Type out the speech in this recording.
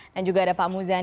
dan juga ada pak muzan